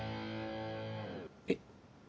えっ？